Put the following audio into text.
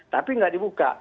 tapi tidak dibuka